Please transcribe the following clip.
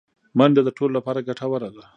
منډه د ټولو لپاره ګټوره ده